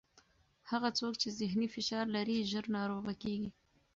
هغه څوک چې ذهني فشار لري، ژر ناروغه کېږي.